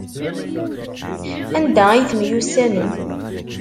Anda ay temyussanem?